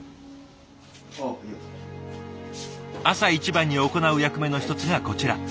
朝一番に行う役目の一つがこちら。